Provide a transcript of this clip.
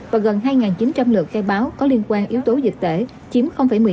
và gần hai chín trăm linh lượt khai báo có liên quan yếu tố dịch tễ chiếm một mươi hai